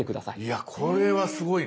いやこれはすごいな！